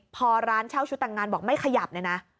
พอร้านเช่าชุดแต่งงานบอกไม่ขยับเลยนะ